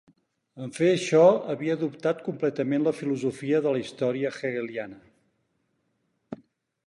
En fer això, havia adoptat completament la filosofia de la història hegeliana.